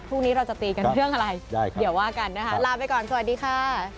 พรุ่งนี้เราจะตีกันเรื่องอะไรเดี๋ยวว่ากันนะคะลาไปก่อนสวัสดีค่ะ